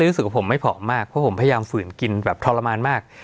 รู้สึกว่าผมไม่ผอมมากเพราะผมพยายามฝืนกินแบบทรมานมาก